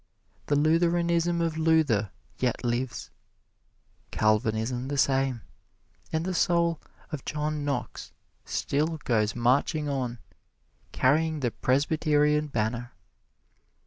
The Lutheranism of Luther yet lives; Calvinism the same; and the soul of John Knox still goes marching on, carrying the Presbyterian banner.